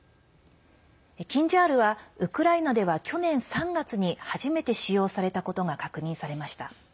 「キンジャール」はウクライナでは去年３月に初めて使用されたことが確認されました。